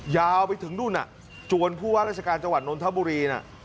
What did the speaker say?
ยาวไปถึงดุนะจวนพวกราชกาลจังหวัดนนทบุรีนะ